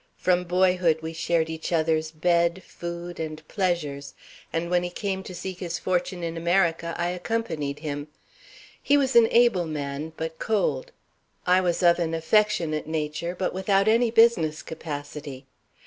From boyhood we shared each other's bed, food, and pleasures, and when he came to seek his fortune in America I accompanied him. He was an able man, but cold. I was of an affectionate nature, but without any business capacity.